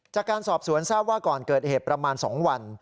จากการสอบสวนทราบว่าก่อนเกิดเหตุประมาณ๒วัน